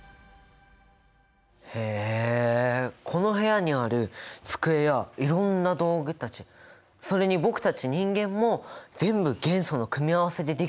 へえこの部屋にある机やいろんな道具たちそれに僕たち人間も全部元素の組み合わせでできてるってことだね。